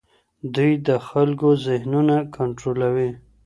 دوی د خلګو ذهنونه کنټرولوي.